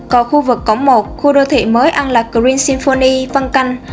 cầu khu vực cổng một khu đô thị mới an lạc green symphony văn canh